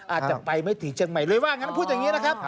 อาจจะไปไม่ถึงเชียงใหม่เลยว่างั้นพูดอย่างนี้นะครับ